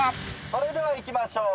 それではいきましょう。